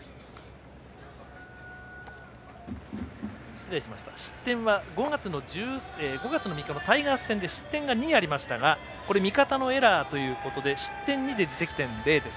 失礼しました、失点は５月３日のタイガース戦で失点が２ありましたが味方のエラーということで失点２で自責点０です。